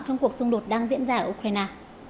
trong cuộc xung đột đang diễn ra ở ukraine